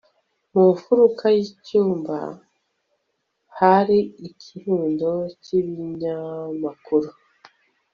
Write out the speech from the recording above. mu mfuruka y'icyumba hari ikirundo cy'ibinyamakuru